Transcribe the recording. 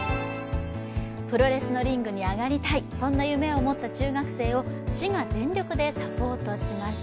プロレスのリングに上がりたい、そんな夢を持った中学生を市が全力でサポートしました。